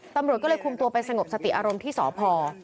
ตำรวจก็เลยคุมตัวไปสงบสติอารมณ์ที่สพ